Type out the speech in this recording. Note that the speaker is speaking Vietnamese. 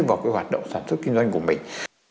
vào cái hoạt động sản xuất kinh doanh